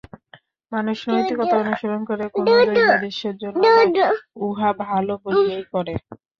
মানুষ নৈতিকতা অনুশীলন করে, কোন দৈবাদেশের জন্য নয়, উহা ভাল বলিয়াই করে।